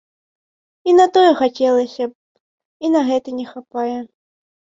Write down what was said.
І на тое хацелася б, і на гэта не хапае.